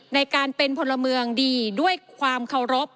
ในการเป็นพลเมืองดีด้วยความเคารพ